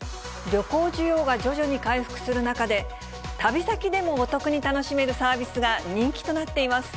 旅行需要が徐々に回復する中で、旅先でもお得に楽しめるサービスが人気となっています。